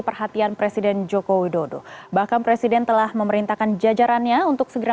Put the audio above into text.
perhatian presiden joko widodo bahkan presiden telah memerintahkan jajarannya untuk segera